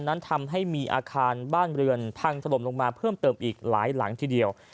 นั้นทำให้มีอาคารบ้านเรือนพังถล่มลงมาเพิ่มเติมอีกหลายหลังทีเดียว